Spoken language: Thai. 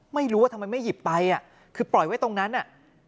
ไม่รู้ว่าทำไมไม่หยิบไปอ่ะคือปล่อยไว้ตรงนั้นอ่ะ